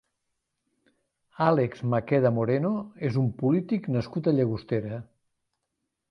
Àlex Maqueda Moreno és un polític nascut a Llagostera.